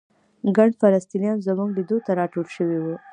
ګڼ فلسطینیان زموږ لیدو ته راټول شوي وو.